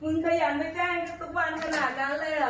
มึงขยันไม่แจ้งกันสักวันขนาดนั้นเลยเหรอ